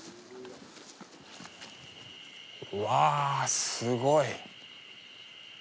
わすごい。